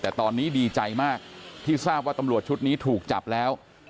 แต่ตอนนี้ดีใจมากที่ทราบว่าตำรวจชุดนี้ถูกจับแล้ว